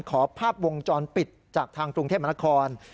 ขอภาพวงจรปิดจากทางกรุงเทพมนาคม